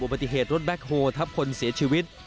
ปฏิเหตุรถแบ็คโฮทับคนเสียชีวิต